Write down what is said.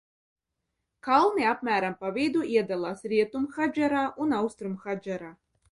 Kalni apmērām pa vidu iedalās Rietumhadžarā un Austrumhadžarā.